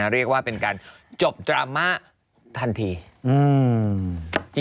เรียกว่าเป็นการจบดราม่าทันที